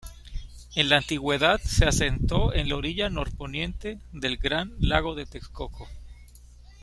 En la antigüedad se asentó en la orilla norponiente del gran Lago de Texcoco.